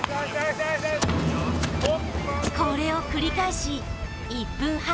これを繰り返し１分半